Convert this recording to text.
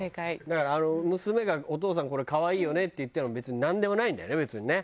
だから娘が「お父さんこれ可愛いよね？」って言ってもなんでもないんだよね別にね。